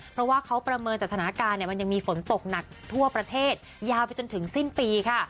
เพราะว่าเขาประเมินสถานการณ์มันยังมีฝนตกหนักทั่วประเทศยาวไปจนถึงสิ้นปีค่ะ